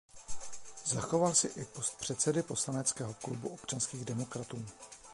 Zachoval si i post předsedy poslaneckého klubu občanských demokratů.